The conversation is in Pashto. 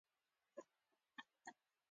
سپي تور، سپین، خړ یا نسواري وي.